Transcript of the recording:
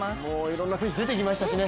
いろんな選手出てきましたしね